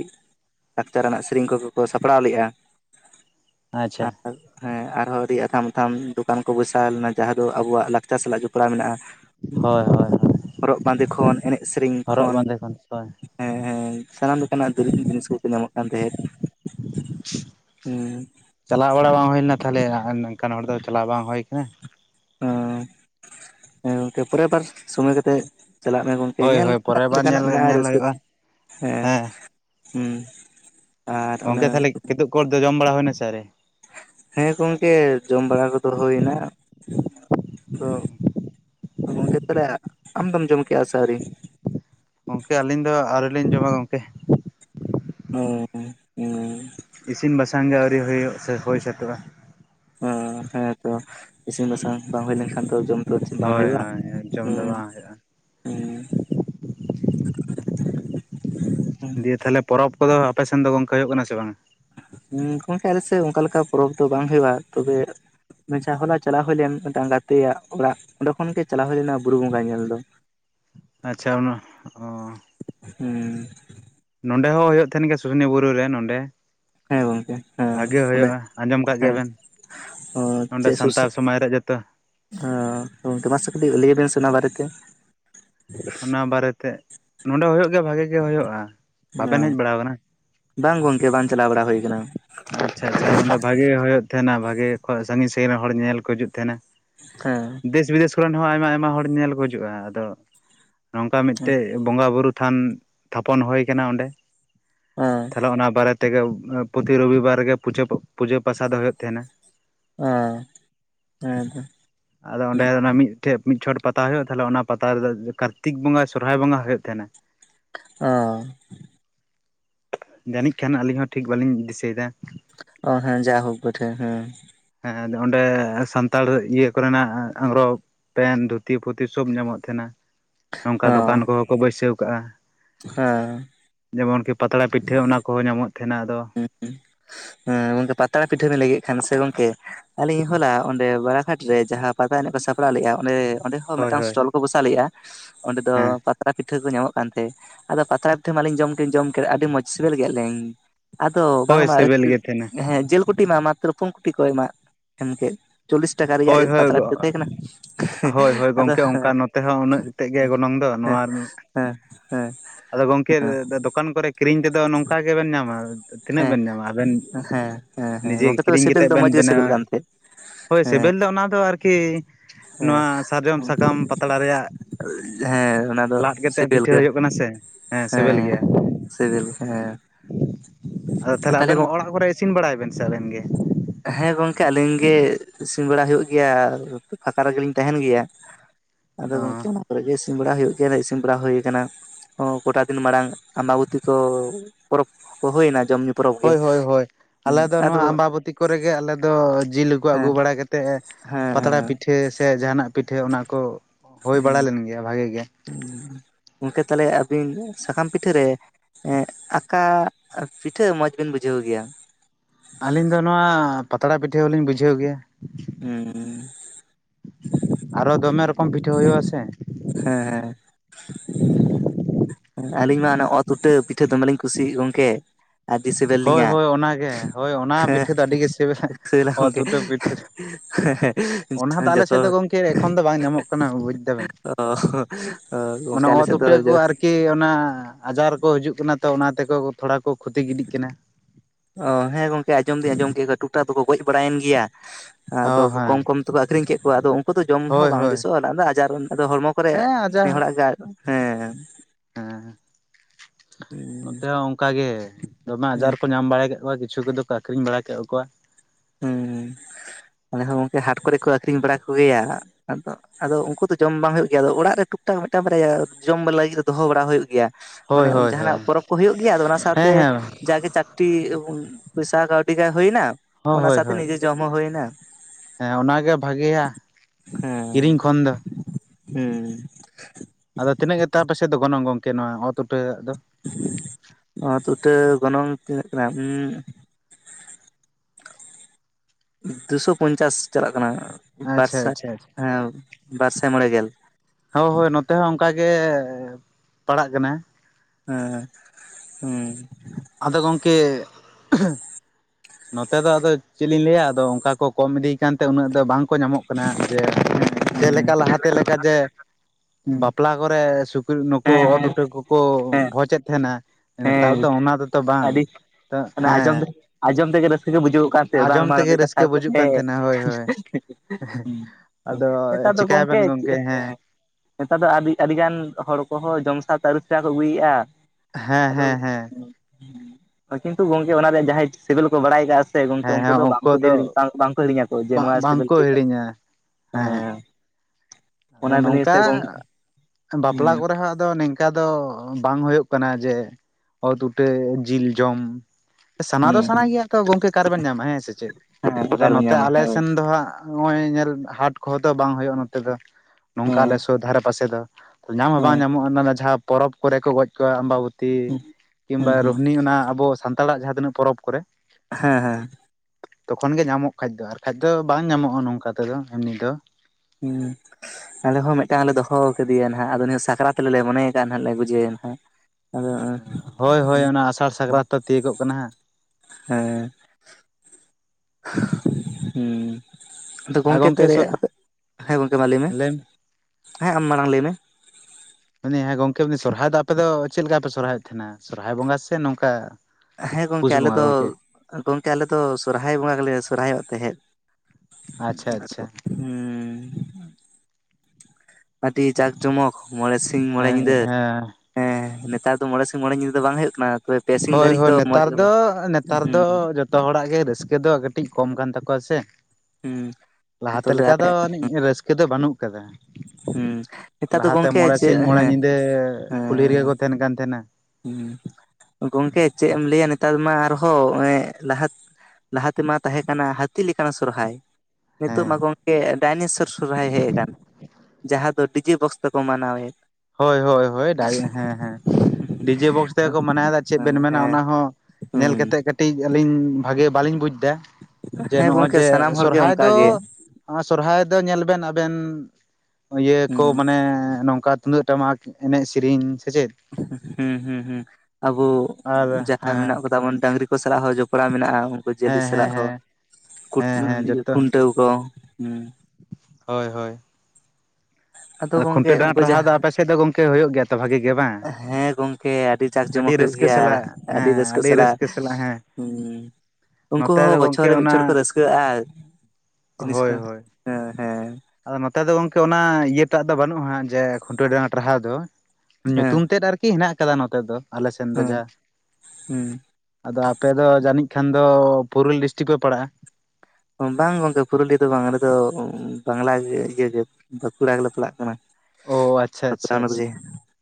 ᱞᱟᱠᱪᱟᱨ ᱟᱱᱟᱜ ᱥᱮᱨᱮᱧ ᱠᱚᱠᱚ ᱠᱚ ᱥᱟᱯᱲᱟᱣ ᱞᱮᱜᱼᱟ ᱟᱪᱪᱷᱟ ᱦᱮᱸ ᱟᱨᱦᱚᱸ ᱟᱹᱰᱤ ᱟᱛᱷᱟᱢ ᱟᱛᱷᱟᱢ ᱫᱚᱠᱟᱱ ᱠᱚ ᱵᱚᱭᱥᱟ ᱞᱮᱱᱟ ᱡᱟᱦᱟᱸ ᱫᱚ ᱟᱵᱚᱣᱟᱜ ᱞᱟᱠᱪᱟᱨ ᱥᱟᱞᱟᱜ ᱡᱩ ᱯᱚᱲᱟ ᱢᱮᱱᱟᱜᱼᱟ ᱦᱳᱭ ᱦᱳᱭ ᱦᱳᱭ ᱦᱚᱨᱚᱜ ᱵᱟᱸᱫᱮ ᱠᱷᱚᱱ ᱮᱱᱮᱡ ᱥᱮᱨᱮᱧ ᱦᱚᱨᱚᱜ ᱠᱷᱚᱱ ᱵᱟᱸᱫᱮ ᱦᱳᱭ᱾ ᱦᱮᱸ ᱦᱮᱸ ᱥᱟᱱᱟᱢ ᱞᱮᱠᱟᱱᱟᱜ ᱫᱩᱨᱤᱵ ᱡᱤᱱᱤᱥ ᱠᱚᱠᱚ ᱧᱟᱢᱚᱜ ᱠᱟᱱ ᱛᱟᱦᱮᱸᱫ ᱪᱟᱞᱟᱣ ᱵᱟᱲᱟ ᱵᱟᱝ ᱦᱩᱭ ᱞᱮᱱᱟ ᱛᱟᱦᱚᱞᱮ ᱱᱚᱝᱠᱟᱱ ᱦᱚᱲ ᱫᱚ ᱪᱟᱞᱟᱣ ᱵᱟᱝ ᱦᱩᱭ ᱠᱟᱱᱟ ᱚᱸ ᱜᱚᱝᱠᱮ ᱯᱚᱨᱮᱨᱵᱟᱨ ᱥᱚᱢᱚᱭ ᱠᱟᱛᱮᱫ ᱪᱟᱞᱟᱜ ᱢᱮ ᱜᱚᱝᱠᱮ ᱦᱳᱭ ᱧᱮᱞ ᱦᱳᱭ ᱯᱚᱨᱮᱨ ᱵᱟᱨ ᱞᱮᱠᱟᱱᱟᱜ ᱧᱮᱞ ᱢᱮᱱᱟᱜᱼᱟ ᱧᱮᱞ ᱨᱟᱹᱥᱠᱟᱹ ᱦᱩᱭᱩᱜᱼᱟ [inaudible] ᱦᱮᱸ ᱦᱩᱸ ᱟᱨ ᱚᱱᱮ ᱜᱚᱝᱠᱮ ᱛᱟᱦᱚᱞᱮ ᱠᱮᱫᱳᱜ ᱠᱚᱫᱚ ᱡᱚᱢ ᱵᱟᱲᱟ ᱦᱩᱭ ᱱᱟᱥᱮ ᱟᱣᱨᱤ ᱦᱮᱸ ᱜᱚᱝᱠᱮ ᱡᱚᱢ ᱵᱟᱲᱟ ᱠᱚᱫᱚ ᱦᱩᱭ ᱱᱟ ᱟᱫᱚ ᱜᱚᱝᱠᱮ ᱛᱟᱦᱚᱞᱮ ᱟᱢᱫᱚᱢ ᱡᱚᱢ ᱠᱮᱜᱼᱟ ᱟᱹᱣᱨᱤ ᱜᱚᱝᱠᱮ ᱟᱹᱞᱤᱧ ᱫᱚ ᱟᱹᱣᱨᱤ ᱞᱤᱧ ᱡᱚᱢᱟ ᱜᱚᱝᱠᱮ ᱩᱸ ᱦᱩᱸ ᱤᱥᱤᱱ ᱵᱟᱥᱟᱝ ᱜᱮ ᱟᱹᱣᱨᱤ ᱦᱩᱭᱩᱜ ᱥᱮ ᱦᱩᱭ ᱥᱟᱹᱛᱚᱜᱼᱟ ᱦᱩᱸ ᱦᱮᱸ ᱛᱚ ᱤᱥᱤᱱ ᱵᱟᱥᱟᱝ ᱵᱟᱝ ᱦᱩᱭ ᱞᱮᱱ ᱠᱷᱟᱱ ᱛᱚ ᱡᱚᱢ ᱛᱚ ᱵᱟᱝ ᱦᱳᱭ ᱦᱩᱭᱩᱜᱼᱟ ᱦᱳᱭ ᱡᱚᱢ ᱫᱚ ᱦᱩᱸ ᱵᱟᱝ ᱦᱩᱭᱩᱜᱼᱟ ᱫᱤᱭᱮ ᱛᱟᱦᱚᱞᱮ ᱯᱚᱨᱚᱵᱽ ᱠᱚᱫᱚ ᱟᱯᱮ ᱥᱮᱱ ᱫᱚ ᱜᱚᱝᱠᱮ ᱦᱩᱭᱩᱜ ᱠᱟᱱᱟ ᱥᱮ ᱵᱟᱝ ᱩᱸ ᱜᱚᱝᱠᱮ ᱟᱞᱮ ᱥᱮᱫ ᱚᱱᱠᱟ ᱞᱮᱠᱟ ᱯᱚᱨᱚᱵᱽ ᱫᱚ ᱵᱟᱝ ᱦᱩᱭᱩᱜᱼᱟ ᱛᱚᱵᱮ ᱟᱪᱪᱷᱟ ᱦᱚᱞᱟ ᱪᱟᱞᱟᱣ ᱦᱩᱭ ᱞᱮᱱ ᱢᱤᱫᱴᱟᱝ ᱜᱟᱛᱮᱭᱟᱜ ᱚᱲᱟᱜ ᱚᱸᱰᱮ ᱠᱷᱚᱱ ᱜᱮ ᱪᱟᱞᱟᱣ ᱦᱩᱭ ᱞᱮᱱᱟ ᱵᱩᱨᱩ ᱵᱚᱸᱜᱟ ᱧᱮᱞ ᱫᱚ ᱟᱪᱪᱷᱟ ᱚᱱᱟ ᱚᱸ ᱦᱩᱸ ᱱᱚᱰᱮ ᱦᱚᱸ ᱦᱩᱭᱩᱜ ᱛᱟᱸᱦᱮᱱ ᱜᱮᱭᱟ ᱥᱩᱥᱱᱤ ᱵᱩᱨᱩ ᱨᱮ ᱱᱚᱰᱮ ᱦᱮᱸ ᱜᱚᱝᱠᱮ ᱦᱮᱸ ᱵᱷᱟᱜᱮ ᱚᱸᱰᱮ ᱦᱩᱭᱩᱜᱼᱟ ᱟᱸᱡᱚᱢ ᱠᱟᱜ ᱦᱮᱸ ᱜᱮᱭᱟ ᱵᱤᱱ ᱚ ᱚᱸᱰᱮ ᱥᱟᱱᱛᱟᱲ ᱥᱚᱢᱟᱡᱽ ᱨᱮᱭᱟᱜ ᱡᱚᱛᱚ ᱟᱸ ᱜᱚᱝᱠᱮ ᱢᱟᱥᱮ ᱠᱟᱹᱴᱤᱡ ᱞᱟᱹᱭ ᱵᱮᱱ ᱥᱮ ᱱᱚᱣᱟ ᱵᱟᱨᱮ ᱛᱮ ᱚᱱᱟ ᱵᱟᱨᱮᱛᱮ ᱱᱚᱰᱮ ᱦᱳᱭᱳᱜ ᱜᱮᱭᱟ ᱵᱷᱟᱜᱮ ᱜᱮ ᱦᱳᱭᱳᱜᱼᱟ ᱚᱸ ᱵᱟᱝ ᱜᱚᱝᱠᱮ ᱵᱟᱝ ᱪᱟᱞᱟᱣ ᱵᱟᱲᱟ ᱦᱩᱭ ᱠᱟᱱᱟ ᱟᱪᱪᱷᱟ ᱟᱪᱪᱷᱟ ᱱᱚᱸᱰᱮ ᱵᱷᱟᱜᱮ ᱦᱩᱭᱩᱜ ᱛᱟᱦᱮᱸᱱᱟ ᱵᱷᱟᱜᱮ ᱥᱟᱺᱜᱤᱧ ᱥᱟᱺᱜᱤᱧ ᱦᱚᱲ ᱧᱮᱞ ᱠᱚ ᱦᱤᱡᱩᱜ ᱛᱟᱸᱦᱮᱱᱟ ᱦᱮᱸ ᱫᱮᱥ ᱵᱤᱫᱮᱥ ᱠᱚᱨᱮᱱ ᱦᱚᱸ ᱟᱭᱢᱟ ᱟᱭᱢᱟ ᱦᱚᱲ ᱧᱮᱧᱮᱞ ᱠᱚ ᱦᱤᱡᱩᱜᱼᱟ ᱟᱫᱚ ᱱᱚᱝᱠᱟ ᱢᱤᱫ ᱦᱮᱸ ᱴᱮᱡ ᱵᱚᱸᱜᱟᱼᱵᱩᱨᱩ ᱛᱷᱟᱱ ᱛᱷᱟᱯᱚᱱ ᱦᱩᱭ ᱠᱟᱱᱟ ᱚᱸᱰᱮ ᱛᱟᱦᱚᱞᱮ ᱚᱱᱟ ᱵᱟᱨᱮ ᱛᱮᱜᱮ ᱯᱨᱚᱛᱤ ᱨᱚᱵᱤᱵᱟᱨ ᱜᱮ ᱯᱩᱡᱟᱹ ᱯᱩᱡᱟᱹ ᱯᱟᱥᱟ ᱫᱚ ᱦᱩᱭᱩᱜ ᱛᱟᱸᱦᱮᱱᱟ ᱚᱸ ᱦᱮᱸ ᱟᱫᱚ ᱚᱸᱰᱮ ᱦᱩᱸ ᱚᱱᱟ ᱢᱤᱫᱴᱷᱮᱡ ᱢᱤᱫ ᱪᱷᱚᱴ ᱯᱟᱛᱟ ᱦᱩᱭᱩᱜᱼᱟ ᱛᱟᱦᱚᱞᱮ ᱚᱱᱟ ᱯᱟᱛᱟ ᱨᱮᱫᱚ ᱠᱟᱨᱛᱤᱠ ᱵᱚᱸᱜᱟ ᱥᱚᱨᱦᱟᱭ ᱵᱚᱸᱜᱟ ᱦᱩᱭᱩᱜ ᱛᱟᱸᱦᱮᱱᱟ ᱚᱻ ᱡᱟᱹᱱᱤᱡ ᱠᱷᱟᱱ ᱟᱹᱞᱤᱧ ᱦᱚᱸ ᱴᱷᱤᱠ ᱵᱟᱞᱤᱧ ᱫᱤᱥᱟᱹᱭ ᱫᱟ ᱚᱸ ᱦᱮᱸ ᱡᱟ ᱦᱳᱠ ᱵᱚᱴᱷᱮ ᱦᱮᱸ ᱦᱮᱸ ᱚᱸᱰᱮ ᱥᱟᱱᱛᱟᱲ ᱤᱭᱟᱹ ᱠᱚᱨᱮᱱᱟᱜ ᱟᱨᱦᱚ ᱯᱮᱱ ᱫᱷᱩᱛᱤ ᱯᱩᱛᱤ ᱥᱚᱵ ᱧᱟᱢᱚᱜ ᱛᱟᱦᱮᱱᱟ ᱱᱚᱝᱠᱟ ᱚ ᱫᱚᱠᱟᱱ ᱠᱚᱦᱚᱸ ᱠᱚ ᱵᱟᱹᱭᱥᱟᱹᱣ ᱠᱟᱜᱼᱟ᱾ ᱦᱮᱸ ᱡᱮᱢᱚᱱᱠᱤ ᱯᱟᱛᱲᱟ ᱯᱤᱴᱷᱟᱹ ᱚᱱᱟ ᱠᱚᱦᱚᱸ ᱧᱟᱢᱚᱜ ᱛᱟᱦᱮᱱᱟ ᱟᱫᱚ᱾ ᱜᱚᱝᱠᱮ ᱯᱟᱛᱲᱟ ᱯᱤᱴᱷᱟᱹ ᱵᱮᱱ ᱞᱮᱭ ᱠᱮᱫ ᱠᱷᱟᱱ ᱥᱮ ᱜᱚᱝᱠᱮ ᱟᱹᱞᱤᱧ ᱦᱚᱞᱟ ᱚᱸᱰᱮ ᱵᱟᱲᱟ ᱜᱷᱟᱴ ᱨᱮ ᱡᱟᱦᱟᱸ ᱯᱟᱛᱟ ᱮᱱᱮᱡ ᱠᱚ ᱥᱟᱯᱲᱟᱣ ᱞᱮᱫᱼᱟ ᱚᱸᱰᱮ ᱚᱸᱰᱮ ᱦᱳᱭ ᱢᱤᱫᱴᱟᱝ ᱦᱳᱭ ᱥᱴᱚᱞ ᱠᱚ ᱵᱚᱥᱟ ᱞᱮᱜᱼᱟ ᱚᱸᱰᱮ ᱫᱚ ᱦᱮᱸ ᱯᱟᱛᱲᱟ ᱯᱤᱴᱷᱟᱹ ᱠᱚ ᱧᱟᱢᱚᱜ ᱠᱟᱱᱛᱮ ᱟᱫᱚ ᱯᱟᱛᱲᱟ ᱯᱤᱴᱷᱟᱹ ᱢᱟᱞᱤᱧ ᱡᱚᱢ ᱡᱚᱢ ᱠᱮᱫ ᱟᱹᱰᱤ ᱢᱚᱡᱽ ᱥᱮᱵᱮᱞ ᱠᱮᱜ ᱞᱤᱧ ᱟᱫᱚ ᱦᱳᱭ ᱵᱟᱝᱢᱟ ᱥᱤᱵᱤᱞ ᱜᱮ ᱛᱟᱦᱮᱱᱟ ᱦᱮᱸ ᱡᱤᱞ ᱠᱩᱴᱤ ᱢᱟ ᱢᱟᱛᱨᱚ ᱯᱩᱱ ᱠᱩᱴᱤ ᱠᱚ ᱮᱢᱟᱜ ᱮᱢ ᱠᱮᱫ ᱪᱚᱞᱞᱤᱥ ᱴᱟᱠᱟ ᱨᱮᱭᱟᱜ ᱦᱳᱭ ᱦᱳᱭ ᱯᱟᱛᱲᱟ ᱯᱤᱴᱷᱟᱹ ᱛᱟᱦᱮᱸ ᱠᱟᱱᱟ ᱦᱳᱭ ᱦᱳᱭ ᱟᱫᱚ ᱜᱚᱢᱠᱮ ᱚᱱᱠᱟ ᱱᱚᱛᱮ ᱦᱚᱸ ᱩᱱᱟᱹᱜ ᱛᱮᱫ ᱜᱮ ᱦᱮᱸ ᱜᱚᱱᱚᱝ ᱫᱚ ᱱᱚᱣᱟ ᱦᱮᱸ ᱦᱮᱸ ᱟᱫᱚ ᱦᱮᱸ ᱜᱚᱢᱠᱮ ᱫᱚᱠᱟᱱ ᱠᱚᱨᱮ ᱠᱤᱨᱤᱧ ᱛᱮᱫᱚ ᱱᱚᱝᱠᱟ ᱜᱮᱵᱤᱱ ᱧᱟᱢᱟ ᱛᱤᱱᱟᱹᱜ ᱦᱮᱸ ᱵᱮᱱ ᱧᱟᱢᱟ ᱟᱵᱮᱱ ᱦᱮᱸ ᱦᱮᱸ ᱦᱮᱸ ᱱᱤᱡᱮ ᱜᱚᱝᱠᱮ ᱛᱚᱵᱮ ᱠᱤᱨᱤᱧ ᱥᱤᱵᱤᱞ ᱠᱟᱛᱮᱫ ᱫᱚ ᱵᱤᱱ ᱢᱚᱸᱡᱽ ᱜᱮ ᱵᱮᱱᱟᱣ ᱟ ᱥᱤᱵᱤᱞ ᱠᱟᱱ ᱛᱟᱦᱮᱸᱫ ᱦᱮᱸ ᱥᱤᱵᱤᱞ ᱫᱚ ᱚᱱᱟ ᱫᱚ ᱟᱨᱠᱤ ᱦᱮᱸ ᱱᱚᱣᱟ ᱥᱟᱨᱡᱚᱢ ᱥᱟᱠᱟᱢ ᱯᱟᱛᱲᱟ ᱨᱮᱭᱟᱜ ᱦᱮᱸ ᱚᱱᱟ ᱫᱚ ᱞᱟᱫ ᱠᱟᱛᱮᱫ ᱥᱤᱵᱤᱞ ᱯᱤᱴᱷᱟᱹ ᱜᱮ ᱦᱩᱭᱩᱜ ᱠᱟᱱᱟ ᱥᱮ ᱦᱮᱸ ᱥᱤᱵᱤᱞ ᱜᱮᱭᱟ᱾ ᱥᱮᱵᱤᱞ ᱜᱮ ᱦᱮᱸ ᱟᱫᱚ ᱛᱟᱦᱚᱞᱮ ᱟᱵᱮᱱ ᱦᱚᱸ ᱚᱲᱟᱜ ᱠᱚᱨᱮ ᱤᱥᱤᱱ ᱵᱟᱲᱟᱭᱟ ᱵᱮᱱ ᱥᱮ ᱟᱵᱮᱱ ᱜᱮ? ᱦᱮᱸ ᱜᱚᱝᱠᱮ ᱟᱹᱞᱤᱧ ᱜᱮ ᱤᱥᱤᱱ ᱵᱮᱲᱟ ᱦᱩᱭᱩᱜ ᱜᱮᱭᱟ ᱯᱷᱟᱠᱟ ᱨᱮᱜᱮ ᱞᱤᱧ ᱛᱟᱦᱮᱱ ᱜᱮᱭᱟ᱾ [inaudible] ᱟᱫᱚ ᱜᱚᱢᱠᱮ ᱚᱱᱟ ᱠᱚᱨᱮ ᱜᱮ ᱤᱥᱤᱱ ᱵᱟᱲᱟ ᱦᱩᱭᱩᱜ ᱜᱮᱭᱟ ᱤᱥᱤᱱ ᱵᱟᱲᱟ ᱦᱩᱭ ᱠᱟᱱᱟ᱾ ᱜᱚᱴᱟ ᱫᱤᱱ ᱢᱟᱲᱟᱝ ᱟᱢᱵᱟᱵᱚᱛᱤ ᱠᱚ ᱯᱚᱨᱚᱵᱽ ᱠᱚ ᱦᱩᱭ ᱱᱟ ᱡᱚᱢ ᱧᱩ ᱯᱚᱨᱚᱵᱽ ᱜᱮ ᱦᱳᱭ ᱦᱳᱭ ᱦᱳᱭ ᱦᱩᱸ ᱟᱞᱮ ᱫᱚ ᱟᱫᱚ ᱱᱚᱣᱟ ᱟᱢᱵᱟᱵᱚᱛᱤ ᱠᱚᱨᱮ ᱜᱮ ᱟᱞᱮ ᱫᱚ ᱡᱤᱞ ᱠᱚ ᱟᱹᱜᱩ ᱦᱮᱸ ᱵᱟᱲᱟ ᱠᱟᱛᱮᱫ ᱦᱮᱸ ᱯᱟᱛᱲᱟ ᱯᱤᱴᱷᱟᱹ ᱦᱮᱸ ᱯᱤᱴᱷᱟᱹ ᱥᱮ ᱡᱟᱦᱟᱱᱟᱜ ᱯᱤᱴᱷᱟᱹ ᱚᱱᱟ ᱠᱚ ᱦᱩᱭ ᱦᱩᱸ ᱵᱟᱲᱟ ᱞᱮᱱ ᱜᱮᱭᱟ ᱵᱷᱟᱜᱮ ᱜᱮ᱾ ᱜᱚᱢᱠᱮ ᱛᱟᱦᱚᱞᱮ ᱟᱹᱵᱤᱱ ᱥᱟᱠᱟᱢ ᱯᱤᱴᱷᱟᱹ ᱨᱮ ᱮᱸ ᱟᱠᱟ ᱯᱤᱴᱷᱟᱹ ᱢᱚᱸᱡᱽ ᱵᱤᱱ ᱵᱩᱡᱷᱟᱹᱣ ᱜᱮᱭᱟ? ᱟᱹᱞᱤᱧ ᱫᱚ ᱱᱚᱣᱟ ᱯᱟᱛᱲᱟ ᱯᱤᱴᱷᱟᱹ ᱦᱚᱞᱤᱧ ᱵᱩᱡᱷᱟᱹᱣ ᱜᱮᱭᱟ᱾ ᱦᱮᱸ ᱟᱨᱚ ᱫᱚᱢᱮ ᱨᱚᱠᱚᱢ ᱯᱤᱴᱷᱟᱹ ᱦᱩᱭᱩᱜ ᱟᱥᱮ᱾ ᱦᱮᱸ ᱟᱹᱞᱤᱧ ᱢᱟ ᱚᱛ ᱩᱴᱟᱹ ᱯᱤᱴᱷᱟᱹ ᱫᱚᱢᱮ ᱞᱤᱧ ᱠᱩᱥᱤᱭᱤᱜ ᱜᱚᱢᱠᱮ᱾ ᱦᱳᱭ ᱦᱳᱭ ᱚᱱᱟᱜᱮ ᱦᱳᱭ ᱚᱱᱟ ᱦᱮᱸ ᱯᱤᱴᱷᱟᱹ ᱫᱚ ᱟᱹᱰᱤ ᱜᱮ ᱥᱤᱵᱤᱞᱟ ᱥᱤᱵᱤᱞᱟ ᱚᱛ ᱜᱚᱝᱠᱮ ᱩᱴᱟᱹ ᱯᱤᱴᱷᱟᱹ ᱫᱚ᱾ ᱚᱱᱟ ᱫᱚ ᱟᱞᱮ ᱡᱚᱛᱚ ᱥᱮᱫ ᱫᱚ ᱜᱚᱝᱠᱮ ᱮᱠᱷᱚᱱ ᱫᱚ ᱵᱟᱝ ᱧᱟᱢᱚᱜ ᱠᱟᱱᱟ ᱵᱩᱡ ᱫᱟ ᱵᱮᱱ᱾ ᱢᱟᱱᱮ ᱜᱚᱝᱠᱮ ᱟᱞᱮ ᱚᱛ ᱥᱮᱫ ᱩᱴᱟᱹ ᱫᱚ ᱠᱚ ᱟᱨᱠᱤ ᱚᱱᱟ ᱟᱡᱟᱨ ᱠᱚ ᱦᱤᱡᱩᱜ ᱠᱟᱱᱟ ᱛᱚ ᱚᱱᱟ ᱛᱮᱠᱚ ᱛᱷᱚᱲᱟ ᱠᱚ ᱠᱷᱚᱛᱤ ᱜᱤᱰᱤᱜ ᱠᱟᱱᱟ᱾ ᱚ ᱦᱮᱸ ᱜᱚᱝᱠᱮ ᱟᱸᱡᱚᱢ ᱫᱩᱧ ᱟᱸᱡᱚᱢ ᱠᱮᱫ ᱠᱚᱣᱟ ᱴᱩᱠ ᱴᱟᱠ ᱫᱚᱠᱚ ᱜᱚᱡ ᱵᱟᱲᱟᱭᱮᱱ ᱜᱮᱭᱟ᱾ ᱟᱫᱚ ᱦᱚᱸ ᱠᱚᱢ ᱦᱮᱸ ᱠᱚᱢ ᱛᱮᱠᱚ ᱟᱠᱷᱨᱤᱧ ᱠᱮᱫ ᱠᱚᱣᱟ᱾ ᱟᱫᱚ ᱠᱚ ᱫᱚ ᱡᱚᱢ ᱦᱚᱸ ᱦᱳᱭ ᱵᱟᱝ ᱦᱳᱭ ᱵᱮᱥᱚᱜᱼᱟ ᱚᱱᱟ ᱫᱚ ᱟᱡᱟᱨ ᱟ ᱦᱚᱲᱢᱚ ᱠᱚᱨᱮ ᱦᱮᱸ ᱟᱡᱟᱨ ᱱᱮ ᱦᱚᱲᱟᱜ ᱜᱮ ᱦᱮᱸ᱾ ᱦᱮᱸ ᱱᱚᱛᱮ ᱦᱩᱸ ᱦᱚᱸ ᱚᱱᱠᱟ ᱜᱮ ᱫᱚᱢᱮ ᱟᱡᱟᱨ ᱠᱚ ᱧᱟᱢ ᱵᱟᱲᱟ ᱠᱮᱫ ᱠᱚᱣᱟ ᱠᱤᱪᱷᱩ ᱠᱚᱫᱚ᱾ ᱠᱚ ᱟᱹᱠᱷᱨᱤᱧ ᱵᱟᱲᱟ ᱠᱮᱫ ᱠᱚᱣᱟ᱾ ᱦᱩᱢ ᱟᱞᱮ ᱦᱚᱸ ᱜᱚᱝᱠᱮ ᱦᱟᱴ ᱠᱚᱨᱮ ᱠᱚ ᱟᱹᱠᱷᱨᱤᱧ ᱵᱟᱲᱟ ᱠᱚᱜᱮᱭᱟ᱾ ᱟᱫᱚ ᱟᱫᱚ ᱩᱱᱠᱩ ᱫᱚ ᱡᱚᱢ ᱵᱟᱝ ᱦᱩᱭᱩᱜ ᱜᱮᱭᱟ ᱟᱫᱚ ᱚᱲᱟᱜ ᱨᱮ ᱴᱩᱠ ᱴᱟᱠ ᱢᱤᱫᱴᱟᱝ ᱵᱟᱨᱭᱟ ᱡᱚᱢ ᱞᱟᱹᱜᱤᱫ ᱫᱚ ᱫᱚᱦᱚ ᱵᱟᱲᱟ ᱦᱩᱭᱩᱜ ᱜᱮᱭᱟ ᱾ ᱦᱳᱭ ᱚᱱᱮ ᱦᱳᱭ ᱦᱳᱭ ᱡᱟᱦᱟᱱᱟᱜ ᱯᱚᱨᱚᱵᱽ ᱠᱚ ᱦᱩᱭᱩᱜ ᱜᱮᱭᱟ ᱟᱫᱚ ᱚᱱᱟ ᱦᱮᱸ ᱥᱟᱶᱛᱮ ᱦᱮᱸ ᱡᱟᱜᱮ ᱪᱟ ᱯᱚᱭᱥᱟ ᱠᱟᱹᱣᱰᱤ ᱜᱟ ᱦᱩᱭᱱᱟ ᱚᱱᱟ ᱦᱳᱭ ᱥᱟᱶᱛᱮ ᱦᱳᱭ ᱱᱤᱡᱮ ᱡᱚᱢ ᱦᱚᱸ ᱦᱩᱭᱱᱟ᱾ ᱦᱮᱸ ᱚᱱᱟ ᱜᱮ ᱵᱷᱟᱜᱮᱭᱟ ᱠᱤᱨᱤᱧ ᱠᱷᱚᱱ ᱫᱚ᱾ ᱦᱮᱸ ᱟᱫᱚ ᱛᱤᱱᱟᱹᱜ ᱠᱟᱛᱮ ᱟᱯᱮ ᱥᱮᱫ ᱫᱚ ᱜᱚᱱᱚᱝ ᱜᱚᱝᱠᱮ ᱱᱚᱣᱟ ᱚᱛ ᱩᱴᱟᱹ ᱟᱜ ᱫᱚ? ᱱᱚᱣᱟ ᱚᱛ ᱩᱴᱟᱹ ᱜᱚᱱᱚᱝ ᱛᱤᱱᱟᱹᱜ ᱠᱟᱱᱟ ᱸᱢ ᱫᱩᱥᱚ ᱯᱚᱧᱪᱟᱥ ᱪᱟᱞᱟᱜ ᱠᱟᱱᱟ ᱵᱟᱨ ᱟᱪᱪᱷᱟ ᱥᱟᱭ ᱟᱪᱪᱷᱟ ᱟᱪᱪᱷᱟ ᱦᱮᱸ ᱵᱟᱨ ᱥᱟᱭ ᱢᱚᱬᱮ ᱜᱮᱞ ᱦᱳᱭ ᱦᱳᱭ ᱱᱚᱛᱮ ᱦᱚᱸ ᱚᱱᱠᱟ ᱜᱮ ᱯᱟᱲᱟᱜ ᱠᱟᱱᱟ ᱮᱸ ᱦᱩᱸ ᱟᱫᱚ ᱜᱚᱢᱠᱮ ᱱᱚᱛᱮ ᱫᱚ ᱟᱫᱚ ᱪᱮᱫ ᱞᱮᱧ ᱞᱟᱹᱭᱟ ᱟᱫᱚ ᱚᱱᱠᱟ ᱠᱚ ᱠᱚᱢ ᱤᱫᱤᱭ ᱠᱟᱱᱛᱮ ᱩᱱᱟᱹᱜ ᱫᱚ ᱵᱟᱝ ᱠᱚ ᱧᱟᱢᱚᱜ ᱠᱟᱱᱟ, ᱡᱮ ᱦᱮᱸ ᱪᱮᱫ ᱞᱮᱠᱟ ᱞᱟᱦᱟᱛᱮ ᱞᱮᱠᱟ ᱡᱮ, ᱵᱟᱯᱞᱟ ᱠᱚᱨᱮ ᱥᱩᱠᱨᱤ ᱱᱩᱠᱩ ᱚᱛ ᱦᱮᱸ ᱦᱮᱸ ᱩᱴᱟᱹ ᱠᱚᱠᱚ ᱦᱮᱸ ᱦᱮᱸ ᱵᱷᱚᱡᱮᱫ ᱛᱟᱦᱮᱱᱟ᱾ ᱱᱮᱛᱟᱨ ᱫᱚ ᱚᱱᱟ ᱫᱚ ᱟᱹᱰᱤ ᱢᱟᱱᱮ ᱟᱸᱡᱚᱢ ᱟᱸᱡᱚᱢ ᱛᱮᱜᱮ ᱨᱟᱹᱥᱠᱟᱹ ᱵᱩᱡᱷᱟᱹᱣᱜ ᱠᱟᱱᱛᱮ ᱟᱸᱡᱚᱢ ᱵᱟᱝᱢᱟ ᱛᱮᱜᱮ ᱨᱟᱹᱥᱠᱟᱹ ᱵᱩᱡᱩᱜ ᱱᱚᱰᱮ ᱠᱟᱱ ᱛᱟᱦᱮᱱᱟ ᱦᱳᱭ ᱦᱳᱭ [inaudible] ᱟᱫᱚ ᱱᱮᱛᱟᱨ ᱫᱚ ᱜᱚᱝᱠᱮ ᱪᱤᱠᱟᱭᱟᱵᱮᱱ ᱜᱚᱢᱠᱮ ᱦᱮᱸ᱾ ᱱᱮᱛᱟᱨ ᱫᱚ ᱟᱹᱰᱤ ᱟᱹᱰᱤᱜᱟᱱ ᱦᱚᱲ ᱠᱚᱦᱚᱸ ᱡᱚᱢ ᱥᱟᱶᱛᱮ ᱟᱹᱨᱩ ᱯᱷᱮᱨᱟᱣ ᱠᱚ ᱟᱹᱜᱩᱭᱮᱫᱼᱟ᱾ ᱦᱮᱸ ᱟᱫᱚ ᱦᱮᱸ ᱦᱮᱸ [inaudible] ᱠᱤᱱᱛᱩ ᱜᱚᱝᱠᱮ ᱚᱱᱟ ᱨᱮᱭᱟᱜ ᱡᱟᱦᱟᱸᱭ ᱥᱤᱵᱤᱞ ᱠᱚ ᱵᱟᱲᱟᱭ ᱠᱟᱜᱼᱟ᱾ ᱥᱮᱜ ᱜᱚᱝᱠᱮ ᱩᱱᱠᱩ ᱫᱚ ᱵᱟᱝᱠᱚ ᱦᱤᱲᱤ ᱵᱟᱝᱠᱚ ᱦᱤᱲᱤᱧᱟᱠᱚ ᱡᱮ ᱵᱟᱝ ᱱᱚᱣᱟ ᱥᱤᱵᱤᱞ ᱵᱟᱝᱠᱚ ᱪᱮᱫ ᱠᱟᱱᱟ ᱦᱤᱲᱤᱧᱟ ᱦᱮᱸ ᱟᱫᱚ ᱚᱱᱟ ᱵᱤᱱ ᱞᱟᱹᱭ ᱱᱚᱝᱠᱟ ᱥᱮ ᱜᱚᱝ ᱵᱟᱯᱞᱟ ᱦᱩᱸ ᱠᱚᱨᱮ ᱦᱚᱸ ᱟᱫᱚ ᱱᱤᱝᱠᱟᱹ ᱠᱟ ᱫᱚ ᱵᱟᱝ ᱦᱩᱭᱩᱜ ᱠᱟᱱᱟ ᱡᱮ ᱚᱛ ᱩᱴᱟᱹ ᱡᱤᱞ ᱡᱚᱢ ᱥᱟᱱᱟ ᱫᱚ ᱥᱟᱱᱟᱭ ᱦᱩᱸ ᱜᱮᱭᱟ ᱛᱚ ᱜᱚᱝᱠᱮ ᱚᱠᱟᱟᱨ ᱨᱮᱵᱮᱱ ᱧᱟᱢᱟ ᱦᱮᱸ ᱥᱮ ᱪᱮᱫ ᱦᱮᱸ ᱟᱫᱚ ᱚᱠᱟᱨᱮᱵᱮᱱ ᱱᱚᱛᱮ ᱧᱟᱢᱟ ᱟᱞᱮ ᱦᱳᱭ ᱥᱮᱱ ᱫᱚ ᱦᱟᱸᱜ ᱱᱚᱜᱼᱚᱭ ᱧᱮᱞ ᱦᱟᱴ ᱠᱚᱦᱚᱸ ᱛᱚ ᱵᱟᱝ ᱦᱩᱭᱩᱜᱼᱟ ᱱᱚᱛᱮ ᱫᱚ ᱱᱚᱝᱠᱟ ᱦᱮᱸ ᱟᱞᱮ ᱥᱩᱨ ᱫᱷᱟᱨᱮ ᱯᱟᱥᱮ ᱫᱚ ᱧᱟᱢ ᱦᱚᱸ ᱵᱟᱝ ᱦᱮᱸ ᱧᱟᱢᱚᱜᱼᱟ ᱚᱱᱟ ᱡᱟᱦᱟᱸ ᱯᱚᱨᱚᱵᱽ ᱠᱚᱨᱮ ᱠᱚ ᱜᱚᱡ ᱠᱚᱣᱟ ᱟᱢᱵᱟ ᱵᱩᱛᱤ ᱦᱩᱛᱤ ᱦᱩᱸ ᱦᱩᱸ ᱠᱤᱢᱵᱟ ᱨᱳᱦᱱᱤ ᱚᱱᱟ ᱟᱵᱚ ᱥᱟᱱᱛᱟᱲᱟᱜ ᱡᱟᱦᱟᱸ ᱛᱤᱱᱟᱹᱜ ᱯᱚᱨᱚᱵᱽ ᱠᱚᱨᱮ ᱦᱮᱸ ᱦᱮᱸ ᱛᱚᱠᱷᱚᱱᱜ ᱜᱮ ᱧᱟᱢᱚᱜ ᱠᱷᱟᱡ ᱫᱚ ᱟᱨᱠᱟᱱ ᱫᱚ ᱵᱟᱝ ᱧᱟᱢᱚᱜᱼᱟ ᱱᱚᱝᱠᱟ ᱛᱮᱫᱚ ᱮᱢᱱᱤ ᱫᱚ ᱦᱮᱸ ᱟᱞᱮ ᱦᱚᱸ ᱢᱤᱫᱴᱟᱝ ᱞᱮ ᱫᱚᱦᱚ ᱠᱟᱫᱮᱭᱟ ᱱᱟᱦᱜ ᱟᱫᱚ ᱱ ᱥᱟᱠᱨᱟᱛ ᱛᱮᱞᱮ ᱢᱚᱱᱮᱭ ᱠᱫᱼᱟᱜ ᱞᱮ ᱵᱩᱡᱷᱟᱹᱭᱟ ᱱᱟᱜ ᱦᱳᱭ ᱦᱳᱭ ᱚᱱᱟ ᱟᱥᱟᱲ ᱥᱟᱠᱨᱟᱛ ᱛᱤᱭᱳᱜ ᱠᱟᱱᱟ ᱦᱟᱸᱜ ᱦᱮᱸ ᱦᱮᱸ ᱟᱫᱚ ᱜᱚᱝᱠᱮ ᱛᱮ ᱟᱯᱮ ᱦᱮᱸ ᱜᱚᱝᱠᱮ ᱢᱟ ᱞᱟᱹᱭ ᱢᱮ ᱦᱮᱸ ᱟᱢ ᱢᱟᱲᱟᱝ ᱞᱟᱹᱭ ᱢᱮ [inaudible] ᱢᱟᱱᱮ ᱦᱮᱸ ᱜᱚᱝᱠᱮ ᱢᱮ ᱥᱚᱨᱦᱟᱭ ᱫᱚ ᱟᱯᱮ ᱫᱚ ᱪᱮᱫ ᱞᱮᱠᱟ ᱯᱮ ᱥᱚᱨᱦᱟᱭᱮᱫ ᱛᱟᱦᱮᱱᱟ ᱥᱚᱨᱦᱟᱭ ᱵᱚᱸᱜᱟ ᱥᱮ ᱱᱚᱝᱠᱟ ᱦᱮᱸ ᱜᱚᱢᱠᱮ ᱯᱩᱥ ᱟᱞᱮ ᱵᱚᱸᱜᱟ ᱫᱚ ᱜᱚᱝᱠᱮ ᱜᱚᱢᱠᱮ ᱟᱞᱮ ᱫᱚ ᱥᱚᱨᱚᱦᱟᱭ ᱵᱚᱸᱜᱟ ᱜᱮᱞᱮ ᱥᱚᱦᱟᱭᱚᱜ ᱛᱟᱦᱮᱸᱫ ᱟᱪᱪᱷᱟ ᱟᱪᱪᱷᱟ ᱦᱩᱢ ᱟᱹᱰᱤ ᱡᱟᱠ ᱡᱚᱢᱚᱠ ᱢᱚᱬᱮ ᱥᱤᱧ ᱢᱚᱬᱮ ᱧᱤᱫᱟᱹ ᱦᱮᱸ ᱦᱮᱸ ᱱᱮᱛᱟᱨ ᱫᱚ ᱢᱚᱬᱮ ᱥᱤᱧ ᱢᱚᱬᱮ ᱧᱤᱫᱟᱹ ᱫᱚ ᱵᱟᱝ ᱦᱩᱭᱩᱜ ᱠᱟᱱᱟ ᱛᱚᱵᱮ ᱯᱮ ᱥᱤᱧ ᱦᱳᱭ ᱫᱷᱟᱹᱨᱤᱡ ᱦᱳᱭ ᱫᱚ ᱢᱚᱸᱡᱽ ᱱᱮᱛᱟᱨ ᱫᱚ ᱱᱮᱛᱟᱨ ᱦᱩᱸ ᱫᱚ ᱡᱚᱛ ᱡᱚᱛᱚ ᱦᱚᱲᱟᱜ ᱜᱮ ᱨᱟᱹᱥᱠᱟᱹ ᱫᱚ ᱠᱟᱹᱴᱤᱡ ᱠᱚᱢ ᱠᱟᱱ ᱛᱟᱠᱚᱣᱟ ᱥᱮ ᱦᱩᱸ ᱞᱟᱦᱟᱛᱮ ᱛᱚᱵᱮ ᱞᱮᱠᱟ ᱟᱞᱮ ᱫᱚᱱᱤᱡ ᱨᱟᱹᱥᱠᱟᱹ ᱫᱚ ᱵᱟᱹᱱᱩᱜ ᱠᱟᱫᱟ ᱦᱩᱸ ᱱᱮᱛᱟᱨ ᱫᱚ ᱞᱟᱦᱟᱛᱮ ᱜᱚᱝᱠᱮ ᱢᱚᱬᱮ ᱪᱮᱫ ᱥᱤᱧ ᱢᱚᱬᱮ ᱦᱮᱸ ᱧᱤᱫᱟᱹ ᱠᱩᱞᱦᱤ ᱨᱮᱜᱮ ᱠᱚ ᱛᱟᱦᱮᱱ ᱠᱟᱱ ᱛᱟᱦᱮᱱᱟ ᱦᱮᱸ ᱜᱚᱝᱠᱮ ᱪᱮᱫ ᱮᱢ ᱞᱟᱹᱭᱟ ᱱᱮᱛᱟᱨ ᱢᱟ ᱟᱨᱦᱚᱸ ᱞᱟᱦᱟ ᱞᱟᱦᱟ ᱛᱮᱢᱟ ᱛᱟᱦᱮᱸ ᱠᱟᱱᱟ ᱦᱟᱹᱛᱤ ᱞᱮᱠᱟᱱ ᱥᱚᱨᱦᱟᱭ ᱱᱤᱛᱚᱜ ᱦᱮᱸ ᱢᱟ ᱜᱚᱢᱠᱮ ᱰᱟᱭᱱᱮᱥᱚᱨ ᱥᱚᱨᱦᱟᱭ ᱦᱮᱡ ᱟᱠᱟᱱ ᱡᱟᱦᱟᱸ ᱫᱚ ᱫᱚ ᱰᱤᱡᱮ ᱵᱚᱠᱥ ᱛᱮᱠᱚ ᱢᱟᱱᱟᱣᱮᱫ ᱦᱳᱭ ᱦᱳᱭ ᱦᱳᱭ ᱦᱮᱸ ᱦᱮᱸ ᱰᱤᱡᱮ ᱵᱚᱠᱥ ᱛᱮᱜᱮ ᱠᱚ ᱢᱟᱱᱟᱣᱮᱫᱟ ᱪᱮᱫ ᱦᱮᱸ ᱵᱮᱱ ᱢᱮᱱᱟ ᱚᱱᱟ ᱦᱚᱸ ᱧᱮᱞ ᱦᱩᱸ ᱠᱟᱛᱮ ᱠᱟᱹᱴᱤᱡ ᱟᱹᱞᱤᱧ ᱵᱷᱟᱜᱮ ᱵᱟᱹᱞᱤᱧ ᱵᱩᱡᱽ ᱮᱫᱟ ᱡᱮ ᱦᱮᱸ ᱱᱚᱜᱼᱚᱭ ᱜᱚᱝᱠᱮ ᱡᱮ ᱥᱟᱱᱟᱢ ᱦᱚᱲᱜᱮ ᱥᱚᱨᱚᱦᱟᱭ ᱚᱱᱠᱟ ᱫᱚ ᱜᱮ ᱥᱚᱨᱚᱦᱟᱭ ᱫᱚ ᱧᱮᱞ ᱵᱮᱱ ᱟᱵᱮᱱ ᱤᱭᱟᱹ ᱠᱚ ᱦᱩᱸ ᱢᱟᱱᱮ ᱱᱚᱝᱠᱟ ᱛᱩᱫᱟᱹᱜ ᱴᱟᱢᱟᱠ ᱮᱱᱮᱡ ᱥᱮᱨᱮᱧ ᱥᱮᱪᱮᱫ ᱦᱸ ᱦᱩᱸ ᱦᱩᱸ ᱟᱵᱚ ᱟᱨ ᱡᱟᱦᱟᱸ ᱦᱮᱸ ᱢᱮᱱᱟᱜ ᱠᱚᱫᱟ ᱵᱚᱱ ᱰᱟᱝᱨᱤ ᱥᱟᱞᱟᱜ ᱦᱚᱸ ᱡᱚᱯᱲᱟᱣ ᱢᱮᱱᱟᱜᱼᱟ ᱩᱱᱠᱩ ᱡᱤᱭᱟᱹᱞᱤ ᱦᱮᱸ ᱦᱮᱸ ᱥᱟᱞᱟᱜ ᱦᱚᱸ ᱦᱮᱸ ᱦᱮᱸ ᱦᱮᱸ ᱡᱚᱛᱚ ᱠᱷᱩᱱᱴᱟᱹᱣ ᱠᱚ ᱦᱮᱸ ᱦᱳᱭ ᱦᱳᱭ ᱟᱫᱚ ᱟᱨ ᱜᱚᱝᱠᱮ ᱠᱷᱩᱱᱴᱟᱹ ᱰᱟᱸᱴ ᱩᱱᱠᱩ ᱨᱟᱦᱟ ᱫᱚ ᱡᱟᱦᱟᱸ ᱟᱯᱮ ᱥᱮᱫ ᱫᱚ ᱜᱚᱝᱠᱮ ᱦᱩᱭᱩᱜ ᱜᱮᱭᱟ ᱛᱚ ᱵᱷᱟᱜᱤ ᱜᱮ ᱵᱟᱝ ᱦᱮᱸ ᱜᱚᱝᱠᱮ ᱟᱹᱰᱤ ᱪᱟᱠ ᱡᱚᱢᱚᱠ ᱦᱩᱭᱩᱜ ᱜᱮᱭᱟ ᱟᱹᱰᱤ ᱨᱟᱹᱥᱠᱟᱹ ᱥᱟᱞᱟᱜ ᱾ ᱦᱩ ᱩᱱᱠᱩ ᱱᱚᱛᱮ ᱫᱚ ᱦᱚᱸ ᱵᱚᱪᱷᱚᱨ ᱜᱚᱝᱠᱮ ᱨᱮ ᱢᱤᱜ ᱚᱱᱟ ᱪᱷᱚᱴ ᱠᱚ ᱨᱟᱹᱥᱠᱟᱹᱼᱟ, ᱡᱤᱱᱤᱥ ᱠᱚ ᱦᱳᱭ ᱦᱳᱭ ᱦᱮᱸ ᱦᱮᱸ ᱾ ᱟᱫᱚ ᱱᱚᱛᱮ ᱫᱚ ᱜᱚᱝᱠᱮ ᱚᱱᱟ ᱤᱭᱟᱹᱴᱟᱜ ᱫᱚ ᱵᱟᱹᱱᱩᱜᱼᱟ ᱡᱮ ᱠᱷᱩᱱᱴᱟᱹ ᱨᱟᱦᱟ ᱫᱚ ᱦᱮᱸ ᱧᱩᱛᱩᱢ ᱛᱮᱫ ᱟᱨᱠᱤ ᱢᱮᱱᱟᱜᱮ ᱟᱠᱟᱫᱟ ᱱᱚᱛᱮ ᱫᱚ ᱟᱞᱮ ᱥᱮᱱ ᱫᱚ ᱡᱟ ᱦᱮᱸ ᱟᱫᱚ ᱟᱯᱮ ᱫᱚ ᱡᱟᱹᱱᱤᱡ ᱠᱷᱟᱱ ᱫᱚ ᱯᱩᱨᱩᱞ ᱰᱤᱥᱴᱤᱠ ᱯᱮ ᱯᱟᱲᱟᱜᱼᱟ ᱵᱟᱝ ᱜᱚᱝᱠᱮ ᱯᱩᱨᱩᱞᱤᱭᱟᱹ ᱫᱚ ᱵᱟᱝ ᱟᱞᱮ ᱫᱚ ᱵᱟᱝᱞᱟ ᱤᱭᱟ. ᱜᱮ ᱵᱟᱸᱠᱩᱲᱟ ᱜᱮᱞᱮ ᱯᱟᱲᱟᱜ ᱠᱟᱱᱟ ᱚ ᱟᱪᱪᱷᱟ ᱵᱟᱸᱠᱩᱲᱟ ᱟᱪᱪᱷᱟ ᱦᱚᱱᱚᱛ ᱟᱪᱪᱷᱟ ᱜᱮ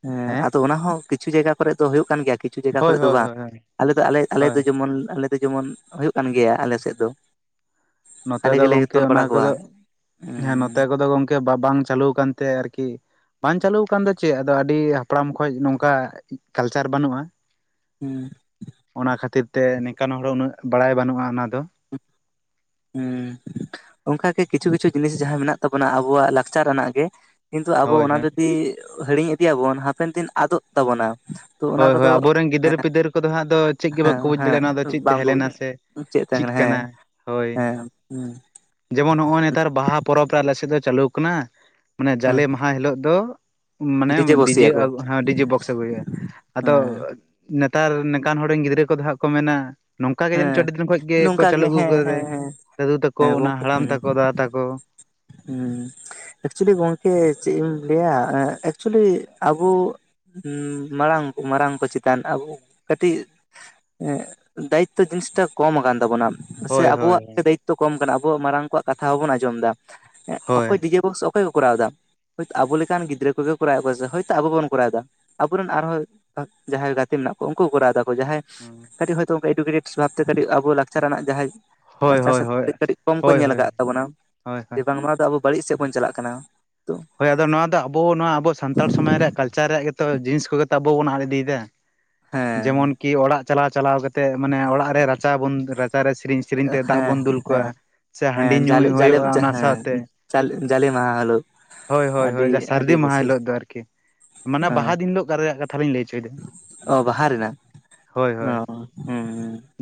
ᱦᱮᱸ ᱟᱫᱚ ᱚᱱᱟ ᱦᱚᱸ ᱠᱤᱪᱷᱩ ᱡᱟᱭᱜᱟ ᱠᱚᱨᱮ ᱫᱚ ᱦᱩᱭᱩᱜ ᱠᱟᱱ ᱜᱮᱭᱟ ᱠᱤᱪᱷᱩ ᱡᱟᱭᱜᱟ ᱦᱳᱭ ᱠᱚᱨᱮᱜ ᱫᱚ ᱦᱳᱭ ᱵᱟᱝ ᱦᱳᱭ ᱟᱞᱮ ᱫᱚ ᱟᱞᱮ ᱟᱞᱮ ᱦᱳᱭ ᱫᱚ ᱡᱮᱢᱚᱱ ᱟᱞᱮ ᱫᱚ ᱡᱮᱢᱚᱱ ᱦᱩᱭᱩᱜ ᱠᱟᱱ ᱜᱮᱭᱟ ᱟᱞᱮ ᱥᱮᱫ ᱫᱚ ᱱᱚᱛᱮ ᱟᱞᱮ ᱫᱚ ᱜᱮᱞᱮ ᱜᱚᱝᱠᱮ ᱛᱚᱞ ᱚᱱᱟ ᱵᱟᱲᱟ ᱠᱚᱣᱟ ᱠᱚᱫᱚ ᱚᱛᱮ ᱦᱩᱸ ᱠᱚᱫᱚ ᱜᱚᱢᱠᱮ ᱵᱟ ᱵᱟᱝ ᱪᱟᱹᱞᱩ ᱟᱠᱟᱱᱛᱮ ᱟᱨᱠᱤ ᱵᱟᱝ ᱪᱟᱹᱞᱩᱣ ᱠᱟᱱ ᱫᱚ ᱪᱮᱜ ᱟᱫᱚ ᱟᱹᱰᱤ ᱦᱟᱯᱲᱟᱢ ᱠᱷᱚᱡ ᱱᱚᱝᱠᱟ ᱠᱟᱞᱪᱟᱨ ᱵᱟᱹᱱᱩᱜᱼᱟ ᱾ [inaudible] ᱚᱱᱟ ᱠᱷᱟᱹᱛᱤᱨ ᱛᱮ ᱱᱮᱠᱟᱱ ᱦᱚᱲ ᱦᱚ ᱩᱱᱟᱹᱜ ᱵᱟᱲᱟᱭ ᱵᱟᱹᱱᱩᱜᱼᱟ, ᱚᱱᱟ ᱫᱚ ᱾ ᱦᱩᱸ, ᱚᱱᱠᱟ ᱜᱮ ᱠᱤᱪᱷᱩ ᱠᱤᱪᱷᱩ ᱡᱤᱱᱤᱥ ᱡᱟᱦᱟᱸ ᱢᱮᱱᱟᱜ ᱛᱟᱵᱚᱱᱟ ᱟᱵᱚᱣᱟᱜ ᱞᱟᱠᱪᱟᱨ ᱟᱱᱟᱜ ᱜᱮ ᱾ ᱠᱤᱱᱛᱩ ᱟᱵᱚ ᱦᱳᱭ ᱚᱱᱟ ᱦᱳᱭ ᱡᱩᱫᱤ ᱦᱤᱲᱤᱧ ᱤᱫᱤᱭᱟ ᱵᱚᱱ ᱦᱟᱯᱮᱱ ᱫᱤᱱ ᱟᱫᱚᱜ ᱛᱟᱵᱚᱱᱟ ᱾ ᱛᱚ ᱚᱱᱟ ᱦᱳᱭ ᱦᱳᱭ ᱠᱚᱫᱚ ᱟᱵᱚᱨᱮᱱ ᱜᱤᱫᱟᱹᱨ ᱦᱮᱸ ᱯᱤᱫᱟᱹᱨ ᱠᱚᱫᱚ ᱦᱟᱸᱜ ᱫᱚ ᱪᱮᱫ ᱜᱮ ᱦᱮᱸ ᱵᱟᱠᱚ ᱵᱩᱡᱽ ᱦᱮᱸ ᱫᱟᱲᱮᱭᱟᱜᱼᱟ ᱚᱱᱟ ᱫᱚ ᱪᱮᱫ ᱛᱟᱦᱮᱸ ᱵᱟᱝᱠᱚ ᱞᱮᱱᱟ ᱵᱩᱡᱟ ᱥᱮ ᱪᱮᱜ ᱛᱟᱦᱮᱸ ᱠᱟᱱᱟ, ᱦᱮᱸ ᱾ ᱦᱳᱭ, ᱡᱮᱢᱚᱱ ᱦᱚᱜᱼᱚᱭ ᱱᱮᱛᱟᱨ ᱵᱟᱦᱟ ᱯᱚᱨᱚᱵᱽ ᱨᱮ ᱟᱞᱮ ᱥᱮᱫ ᱫᱚ ᱪᱟᱹᱞᱩ ᱠᱟᱱᱟ ᱾ ᱢᱟᱱᱮ ᱡᱟᱞᱮ ᱦᱮᱸ ᱢᱟᱦᱟ ᱦᱤᱞᱳᱜ ᱫᱚ ᱢᱟᱱᱮ ᱰᱤᱡᱮ ᱦᱮ ᱰᱤᱡᱮ ᱵᱚᱠᱥ ᱟᱹᱜᱩᱭᱼᱟ᱾ ᱟᱫᱚ ᱦᱮᱸ ᱱᱮᱛᱟᱨ ᱱᱮᱠᱟᱱ ᱦᱚᱲ ᱨᱮᱱ ᱜᱤᱫᱽᱨᱟᱹ ᱠᱚᱫᱚ ᱦᱟᱸᱜ ᱠᱚ ᱢᱮᱱᱟ ᱱᱚᱝᱠᱟ ᱜᱮ ᱡᱟᱱᱤᱪ ᱪᱚ ᱦᱮᱸ ᱟᱹᱰᱤ ᱫᱤᱱ ᱠᱷᱚᱡ ᱜᱮ ᱠᱚ ᱱᱚᱝᱠᱟ ᱪᱟᱹᱞᱩ ᱟᱹᱜᱩ ᱦᱮᱸ ᱠᱟᱫᱟ ᱦᱮᱸ ᱦᱮᱸ ᱫᱟᱹᱫᱩ ᱛᱟᱠᱚ ᱦᱮᱸ ᱚᱱᱟ ᱜᱚᱝᱠᱮ ᱦᱟᱲᱟᱢ ᱦᱩᱸ ᱛᱟᱠᱚ ᱫᱟᱫᱟ ᱛᱟᱠᱚ ᱾ ᱦᱩᱸ ᱮᱠᱪᱩᱭᱞᱤ ᱜᱚᱝᱠᱮ ᱪᱮᱜ ᱤᱧ ᱞᱟᱹᱭᱟ ᱮᱸ ᱮᱠᱪᱩᱭᱞᱤ ᱟᱵᱩ ᱩᱸ ᱢᱟᱲᱟᱝ ᱢᱟᱨᱟᱝ ᱠᱚ ᱪᱮᱛᱟᱱ ᱟᱵᱚ ᱠᱟᱹᱴᱤᱡ ᱮᱸ ᱫᱟᱭᱤᱛᱛᱚ ᱡᱤᱱᱤᱥ ᱴᱟᱜ ᱠᱚᱢ ᱠᱟᱱ ᱛᱟᱵᱚᱱᱟ ᱾ ᱥᱮ ᱦᱳᱭ ᱦᱳᱭ ᱟᱵᱚᱣᱟᱜ ᱜᱮ ᱫᱟᱭᱤᱛᱛᱚ ᱠᱚᱢ ᱠᱟᱱᱟ, ᱟᱵᱚ ᱢᱟᱨᱟᱝ ᱠᱚᱣᱟᱜ ᱠᱟᱛᱷᱟ ᱵᱟᱝ ᱵᱚᱱ ᱟᱸᱡᱚᱢ ᱫᱟ ᱾ ᱮᱸᱜ ᱦᱳᱭ ᱚᱠᱚᱭ ᱰᱤᱡᱮ ᱵᱚᱠᱥ ᱚᱠᱚᱭ ᱠᱚ ᱠᱚᱨᱟᱣ ᱫᱟ? ᱦᱳᱭᱛ ᱟᱵᱚ ᱞᱮᱠᱟᱱ ᱜᱤᱫᱽᱨ ᱠᱚᱜᱮ ᱠᱚᱨᱟᱣ ᱟᱠᱚᱥᱮ ᱦᱳᱭᱛᱚ ᱟᱵᱚ ᱜᱮᱵᱚᱱ ᱠᱚᱨᱟᱣ ᱫᱟ ᱾ ᱟᱵᱚᱨᱮᱱ ᱟᱨᱦᱚᱸ ᱡᱟᱦᱟᱸᱭ ᱜᱟᱛᱮ ᱢᱮᱱᱟᱜ ᱠᱚ ᱩᱱᱠᱩ ᱠᱚ ᱠᱚᱨᱟᱣ ᱫᱟᱠᱚ ᱡᱟᱦᱟᱸᱭ ᱦᱩᱸ ᱠᱟᱹᱴᱤᱡ ᱦᱳᱭᱛᱚ ᱚᱱᱠᱟ ᱮᱰᱩᱠᱮᱴᱮᱴ ᱥᱚᱵᱷᱟᱵ ᱛᱮ ᱠᱟᱹᱴᱤᱡ ᱟᱵᱚ ᱞᱟᱠᱪᱟᱨ ᱨᱮᱱᱟᱜ ᱡᱟᱦᱟᱸᱭ ᱦᱳᱭ ᱞᱟᱠᱪᱟᱨ ᱦᱳᱭ ᱦᱳᱭ ᱥᱮᱫ ᱦᱳᱭ ᱠᱟᱹᱴᱤᱡ ᱠᱚᱢ ᱠᱚ ᱦᱳᱭ ᱦᱳᱭ ᱧᱮᱞ ᱦᱳᱭ ᱠᱟᱜ ᱛᱟᱵᱚ ᱱᱟ ᱾ ᱦᱳᱭ ᱾ ᱱᱚᱣᱟ ᱫᱚ ᱟᱵᱚ ᱵᱟᱹᱲᱤᱡ ᱥᱮᱜ ᱵᱚᱱ ᱪᱟᱞᱟᱜ ᱠᱟᱱᱟ ᱾ ᱦᱳᱭ ᱟᱫᱚ ᱱᱚᱣᱟ ᱫᱚ ᱟᱵᱚ ᱱᱚᱣᱟ ᱟᱵᱚ ᱥᱟᱱᱛᱟᱲ ᱥᱚᱢᱟᱡᱽ ᱨᱮᱭᱟᱜ ᱠᱟᱞᱪᱟᱨ ᱨᱮᱭᱟᱜ ᱜᱮᱛᱚ ᱡᱤᱱᱤᱥ ᱠᱚᱜᱮ ᱛᱚ ᱟᱵᱚ ᱵᱚᱱ ᱟᱫ ᱤᱫᱤᱭ ᱫᱟ ᱾ ᱡᱮᱢᱚᱱ ᱦᱮᱸ ᱠᱤ ᱚᱲᱟᱜ ᱪᱟᱞᱟᱣ ᱪᱟᱞᱟᱣ ᱠᱟᱛᱮᱜ ᱢᱟᱱᱮ ᱚᱲᱟᱜ ᱨᱮ ᱨᱟᱪᱟ ᱵᱚᱱ ᱨᱟᱪᱟ ᱨᱮ ᱥᱤᱨᱤᱧ ᱥᱤᱨᱤᱧ ᱛᱮ ᱫᱟᱜ ᱦᱮᱸ ᱵᱚᱱ ᱫᱩᱞ ᱠᱚᱣᱟ ᱦᱮᱸ ᱥᱮ ᱦᱟᱺᱰᱤ ᱧᱩᱭ ᱦᱩᱭᱩᱜᱼᱟ ᱚᱱᱟ ᱥᱟᱶᱛᱮ ᱾ ᱪᱟᱞ ᱡᱟᱞᱮ ᱢᱟᱦᱟ ᱦᱮᱞᱳᱜ ᱾ ᱦᱳᱭ ᱦᱳᱭ ᱦᱳᱭ ᱡᱟ ᱥᱟᱨᱫᱤ ᱢᱟᱦᱟ ᱦᱤᱞᱳᱜ ᱫᱚ ᱟᱨᱠᱤ ᱾ ᱢᱟᱱᱮ ᱦᱮᱸ ᱵᱟᱦᱟ ᱫᱤᱱ ᱦᱤᱞᱳᱜ ᱠᱟᱨ ᱨᱮᱭᱟᱜ ᱠᱟᱛᱷᱟ ᱞᱤᱧ ᱞᱟᱹᱭ ᱪᱚᱭ ᱫᱟ ᱾ ᱚ ᱵᱟᱦᱟ ᱨᱮᱱᱟᱜ ᱾ ᱦᱳᱭ ᱦᱳᱭ,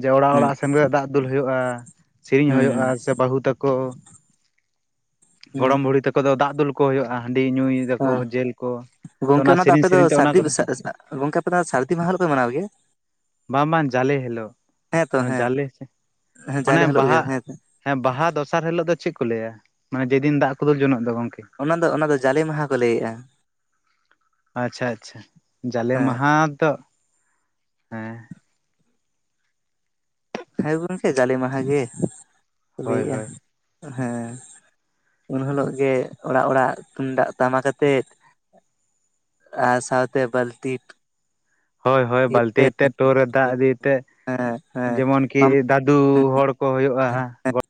ᱡᱮ ᱚᱲᱟᱜ ᱦᱩᱸ ᱚᱲᱟᱜ ᱥᱮᱱ ᱠᱟᱛᱮ ᱫᱟᱜ ᱫᱩᱞ ᱦᱩᱭᱩᱜᱼᱟ, ᱥᱮᱨᱮᱧ ᱦᱩᱸ ᱦᱩᱭᱩᱜᱼᱟ, ᱥᱮ ᱵᱟᱦᱩ ᱛᱟᱠᱚ ᱦᱩᱸ ᱜᱚᱲᱚᱢ ᱵᱩᱲᱤ ᱛᱟᱠᱚ ᱫᱚ ᱫᱟᱜ ᱫᱩᱞ ᱠᱚ ᱦᱩᱭᱩᱜᱼᱟ, ᱦᱟᱺᱰᱤ ᱧᱩᱭ ᱚ ᱫᱟᱠᱚ ᱡᱮᱞ ᱠᱚ ᱾ ᱜᱚᱝᱠᱮ ᱚᱱᱟ ᱫᱚ ᱟᱯᱮ ᱫᱚ ᱥᱟᱹᱨᱫᱤ ᱥᱟ-ᱥᱟ ᱜᱚᱝᱠᱮ ᱟᱯᱮ ᱫᱚ ᱥᱟᱹᱨᱫᱤ ᱢᱟᱦᱟ ᱨᱮᱯᱮ ᱢᱟᱱᱟᱣ ᱜᱮᱭᱟ? ᱵᱟᱝ ᱵᱟᱝ ᱡᱟᱞᱮ ᱦᱤᱞᱳᱜ ᱦᱮᱸ ᱛᱚ ᱢᱟᱱᱮ ᱦᱮᱸ ᱡᱟᱞᱮ ᱥᱮ ᱦᱮᱸ ᱢᱟᱱᱮ ᱡᱟᱞᱮ ᱦᱤᱞᱳᱜ ᱜᱮ ᱵᱟᱦᱟ ᱦᱮᱸ ᱦᱮᱸ ᱵᱟᱦᱟ ᱫᱚᱥᱟᱨ ᱦᱤᱞᱳᱜ ᱫᱚ ᱪᱮᱫ ᱠᱚ ᱞᱟᱹᱭᱟ, ᱢᱟᱱᱮ ᱡᱮᱫᱤᱱ ᱫᱟᱜ ᱠᱚ ᱫᱩᱞ ᱡᱚᱱᱚᱜ ᱫᱚ ᱜᱚᱝᱠᱮ? ᱚᱱᱟᱫᱚ ᱚᱱᱟᱫᱚ ᱡᱟᱞᱮ ᱢᱟᱦᱟ ᱠᱚ ᱞᱟᱹᱭᱮᱜᱼᱟ᱾ ᱟᱪᱪᱷᱟ-ᱟᱪᱪᱷᱟ ᱡᱟᱞᱮ ᱦᱮᱸ ᱢᱟᱦᱟ ᱫᱚ ᱦᱮᱸ ᱦᱮᱸ ᱜᱚᱢᱠᱮ ᱡᱟᱞᱮ ᱢᱟᱦᱟ ᱜᱮ ᱦᱳᱭ ᱞᱟᱹᱭᱮᱜᱼᱟ ᱦᱳᱭ ᱦᱮᱸ ᱦᱮᱸ ᱾ ᱩᱱ ᱦᱤᱞᱚᱜ ᱜᱮ ᱚᱲᱟᱜ-ᱚᱲᱟᱜ ᱛᱩᱢᱫᱟᱜ ᱴᱟᱢᱟᱠ ᱟᱛᱮᱫ ᱟᱨ ᱥᱟᱶᱛᱮ ᱵᱟᱞᱛᱤᱛ ᱦᱚᱭ-ᱦᱚᱭ ᱵᱟᱞᱛᱤᱭ ᱛᱮᱫ ᱴᱚ ᱨᱮ ᱫᱟᱜ ᱤᱫᱤᱭ ᱛᱮ ᱦᱮᱸ ᱦᱮᱸ ᱡᱮᱢᱚᱱ ᱠᱤ ᱫᱟᱫᱩ ᱦᱚᱲ ᱠᱚ ᱦᱩᱭᱩᱜᱼᱟ ᱾ ᱜᱚ